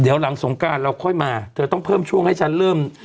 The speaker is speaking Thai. เดี๋ยวหลังสงการเราค่อยมาเธอต้องเพิ่มช่วงให้ฉันเริ่ม